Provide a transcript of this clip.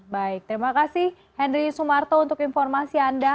baik terima kasih henry sumarto untuk informasi anda